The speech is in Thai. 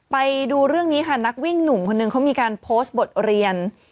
ไปดูเรื่องนี้ค่ะนักวิ่งหนุ่มคนนึงเขามีการโพสต์บทเรียน